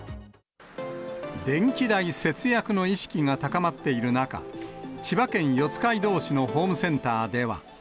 電気代節約の意識が高まっている中、千葉県四街道市のホームセンターでは。